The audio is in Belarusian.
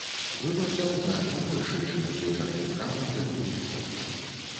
Выбар там значна большы, чым у звычайных крамах для кубінцаў.